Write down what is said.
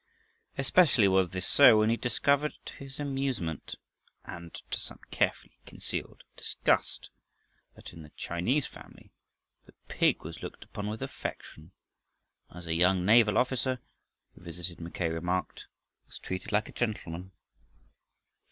Especially was this so when he discovered to his amusement and to some carefully concealed disgust, that in the Chinese family the pig was looked upon with affection, and as a young naval officer, who visited Mackay remarked, "was treated like a gentleman."